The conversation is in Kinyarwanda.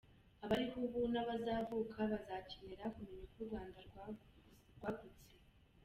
Abariho ubu n’abazavuka bazakenera kumenya uko u Rwanda rwagutse.